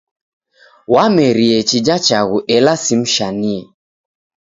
Wamerie chija chaghu ela simshanie.